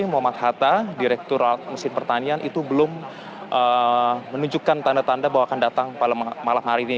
muhammad hatta direktur mesin pertanian itu belum menunjukkan tanda tanda bahwa akan datang pada malam hari ini